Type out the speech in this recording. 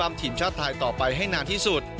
จะเป็นนักกีฬามวยปั้มทีมชาติไทยต่อไปให้นานที่สุด